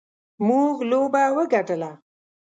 موږ لوبه وګټله.